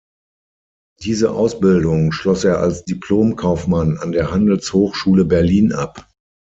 Diese Ausbildung schloss er als Diplom-Kaufmann an der Handelshochschule Berlin ab.